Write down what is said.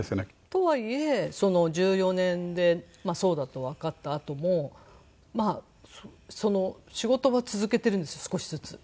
とはいえその２０１４年でそうだとわかったあとも仕事は続けているんです少しずつ。